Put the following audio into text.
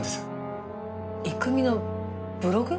郁美のブログ？